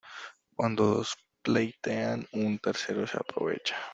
Cuando dos pleitean un tercero se aprovecha.